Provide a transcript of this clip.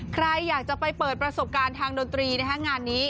ใครอยากจะไปเปิดประสบการณ์ทางดนตรีงานนี้